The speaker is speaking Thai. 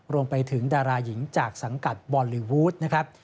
รวมไปถึงดาราหญิงจากสังกัดบอลลีวูดนะครับ